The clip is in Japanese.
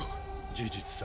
事実さ。